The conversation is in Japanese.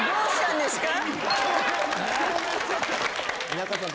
皆川さん